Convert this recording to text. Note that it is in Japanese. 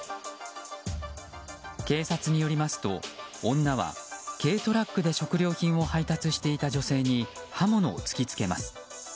警察によりますと女は軽トラックで食料品を配達していた女性に刃物を突きつけます。